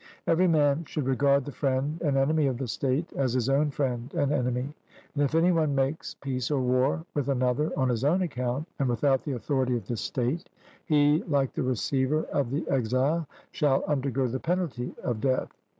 Every man should regard the friend and enemy of the state as his own friend and enemy; and if any one makes peace or war with another on his own account, and without the authority of the state, he, like the receiver of the exile, shall undergo the penalty of death.